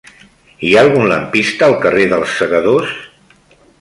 Hi ha algun lampista al carrer dels Segadors?